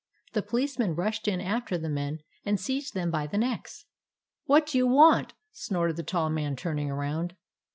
The policemen rushed in after the men, and seized them by the necks. " What do you want ?" snorted the tall man, turning around.